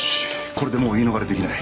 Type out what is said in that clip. これでもう言い逃れできない。